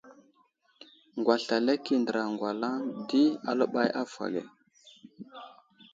Ŋgwaslalak i andəra gwalaŋ di aləɓay avohw age.